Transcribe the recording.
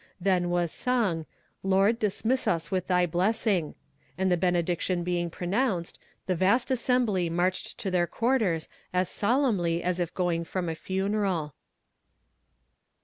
Then was sung Lord, dismiss us with thy blessing, and the benediction being pronounced, the vast assembly marched to their quarters as solemnly as if going from a funeral.